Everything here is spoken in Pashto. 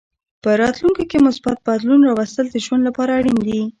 په راتلونکې کې مثبت بدلون راوستل د ژوند لپاره اړین دي.